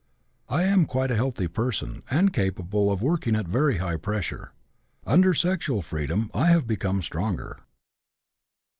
I am quite a healthy person, and capable of working at very high pressure. Under sexual freedom I have become stronger."